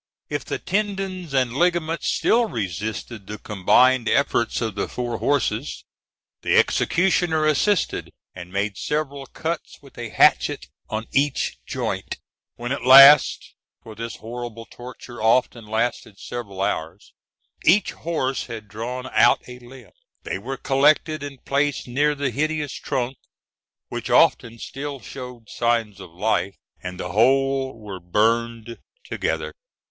If the tendons and ligaments still resisted the combined efforts of the four horses, the executioner assisted, and made several cuts with a hatchet on each joint. When at last for this horrible torture often lasted several hours each horse had drawn out a limb, they were collected and placed near the hideous trunk, which often still showed signs of life, and the whole were burned together.